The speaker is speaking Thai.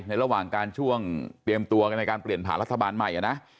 ในกลวงการพร้ายตัวในการเปลี่ยนภารกันรัฐบาลใหม่อ่ะนะ